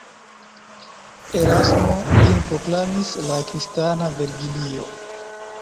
Erasmo lin proklamis la kristana Vergilio.